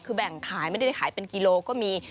คือแบ่งขายไม่ได้ขายเป็นกิโลก็มี